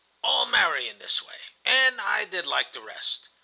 "All marry in this way. And I did like the rest.